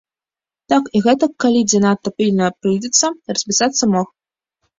Так і гэтак, калі дзе надта пільна прыйдзецца, распісацца мог.